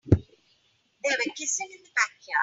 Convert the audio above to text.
They were kissing in the backyard.